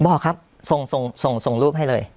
บอกครับส่งส่งรูปให้เลย